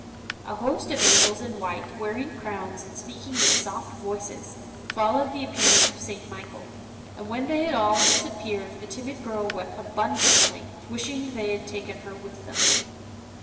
A host of angels in white, wearing crowns, and speaking in soft voices, followed the ap pearance of St. Michael ; and when they had all disap peared the timid girl wept abundantly, wishing they had taken her with them.